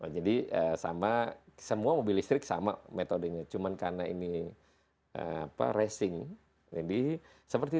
jadi sama semua mobil listrik sama metodenya cuman karena ini per racing jadi seperti